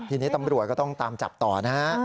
ทีนี้ตำรวจก็ต้องตามจับต่อนะฮะ